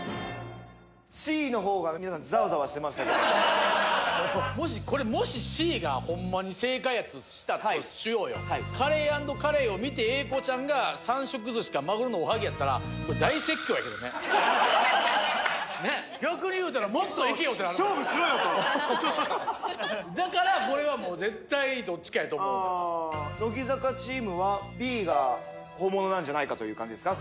Ｃの方が皆さんザワザワしてましたけどもしこれもしＣがホンマに正解やったとしたとしようよカレー＆カレイを見て英孝ちゃんが３色寿司かまぐろのおはぎやったらこれ大説教やけどねねっ逆に言うたらもっといけよって話だからこれはもう絶対どっちかやと思うわ乃木坂チームはＢが本物なんじゃないかという感じですか